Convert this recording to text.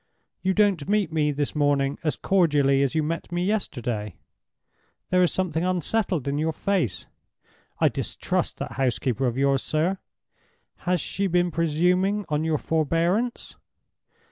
You don't meet me this morning as cordially as you met me yesterday. There is something unsettled in your face. I distrust that housekeeper of yours, sir! Has she been presuming on your forbearance?